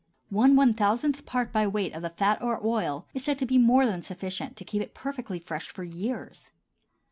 One one thousandth part by weight of the fat or oil is said to be more than sufficient to keep it perfectly fresh for years.